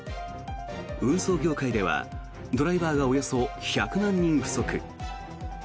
運送業界ではドライバーがおよそ１００万人不足。